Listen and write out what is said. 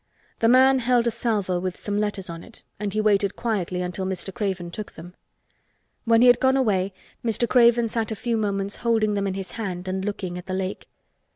The man held a salver with some letters on it and he waited quietly until Mr. Craven took them. When he had gone away Mr. Craven sat a few moments holding them in his hand and looking at the lake.